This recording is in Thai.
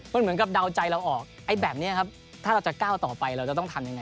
มันเหมือนกับเดาใจเราออกไอ้แบบนี้ครับถ้าเราจะก้าวต่อไปเราจะต้องทำยังไง